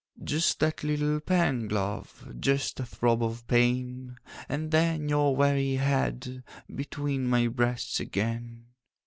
'Just that little pang, love, Just a throb of pain, And then your weary head Between my breasts again.